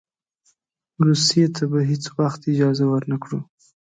روسیې ته به هېڅ وخت اجازه ورنه کړو.